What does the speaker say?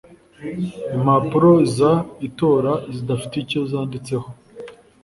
Impapuro z itora zidafite icyo zanditseho